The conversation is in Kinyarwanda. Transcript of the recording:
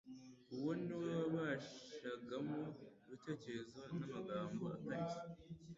Uwo ni we wabashyiragamo ibitekerezo n'amagambo akarishye.